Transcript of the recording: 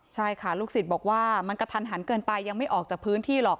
ใช่ค่ะลูกศิษย์บอกว่ามันกระทันหันเกินไปยังไม่ออกจากพื้นที่หรอก